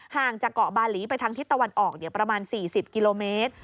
ห่างจากเกาะบาหลีไปทางทิศตะวันออกประมาณ๔๐กิโลเมตร